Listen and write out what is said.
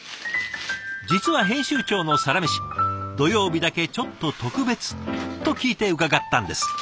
実は編集長のサラメシ土曜日だけちょっと特別と聞いて伺ったんです。